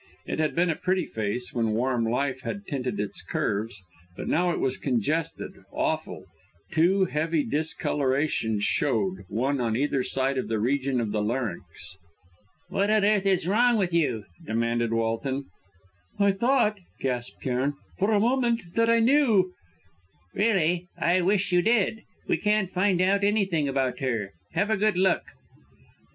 It had been a pretty face when warm life had tinted its curves; now it was congested awful; two heavy discolorations showed, one on either side of the region of the larynx. "What on earth is wrong with you?" demanded Walton. "I thought," gasped Cairn, "for a moment, that I knew " "Really! I wish you did! We can't find out anything about her. Have a good look."